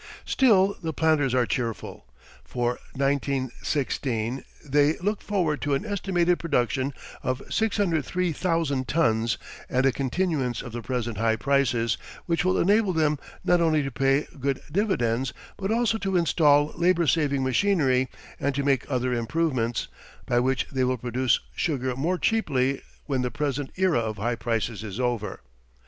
Still, the planters are cheerful. For 1916, they look forward to an estimated production of 603,000 tons and a continuance of the present high prices, which will enable them not only to pay good dividends but also to install labour saving machinery and to make other improvements, by which they will produce sugar more cheaply when the present era of high prices is over.